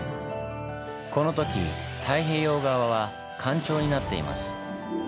この時太平洋側は干潮になっています。